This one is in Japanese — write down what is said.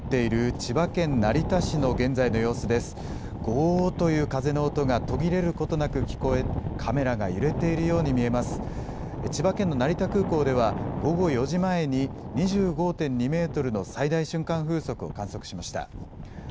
千葉県の成田空港では、午後４時前に２５．２メートルの最大瞬間風速を観測しました。